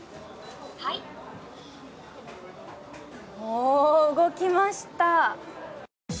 お、動きました。